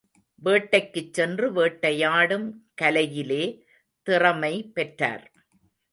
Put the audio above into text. வேட்டைக்குச் சென்று வேட்டையாடும் கலையிலே திறமை பெற்றார்.